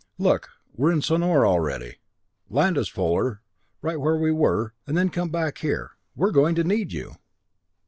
Look we're in Sonor already! Land us, Fuller right where we were, and then come back here. We're going to need you!"